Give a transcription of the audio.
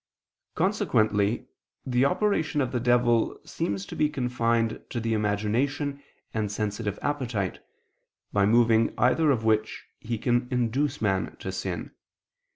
Consequently the operation of the devil seems to be confined to the imagination and sensitive appetite, by moving either of which he can induce man to sin.